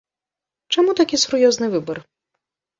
Чаму такі сур'ёзны выбар?